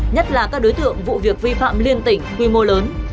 nhất là các đối tượng vụ việc vi phạm liên tỉnh quy mô lớn